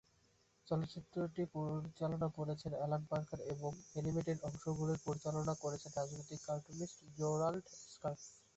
চলচ্চিত্রটি পরিচালনা করেছেন অ্যালান পার্কার এবং অ্যানিমেটেড অংশগুলির পরিচালনা করেছেন রাজনৈতিক কার্টুনিস্ট জেরাল্ড স্কার্ফ।